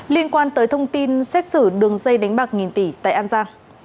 liên quan tới thông tin xét xử đường dây đánh bạc nghìn tỷ tại an giang